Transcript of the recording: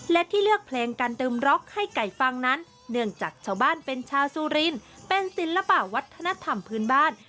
และที่เลือกเพลงการเติมร็อกให้ไก่ฟังนั้นเนื่องจากชาวบ้านเป็นชาวสุรินเป็นศิลปะวัฒนธรรมพื้นบ้าน